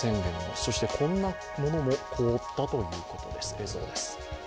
そしてこんなものも凍ったということです。